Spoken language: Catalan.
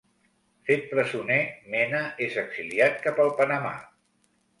Fet presoner Mena és exiliat cap al Panamà.